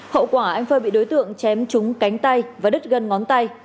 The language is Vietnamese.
hậu quả anh phơi bị đối tượng chém trúng cánh tay và đứt gân ngón tay